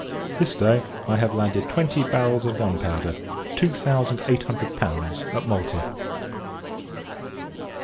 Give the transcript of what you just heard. This day, I have landed twenty barrels of gunpowder (two thousand eight hundred pounds) at Malta.